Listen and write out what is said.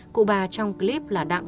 cụ bà trong clip là đạm